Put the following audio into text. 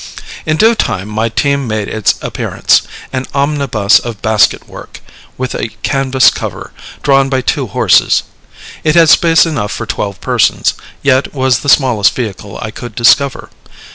In due time my team made its appearance, an omnibus of basket work, with a canvas cover, drawn by two horses. It had space enough for twelve persons, yet was the smallest vehicle I could discover.